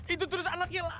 itu terus anaknya